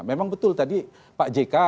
memang betul tadi pak jk